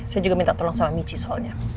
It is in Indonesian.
saya juga minta tolong sama michi soalnya